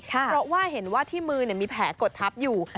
เพราะว่าเห็นว่าที่มือมีแผลกดทับอยู่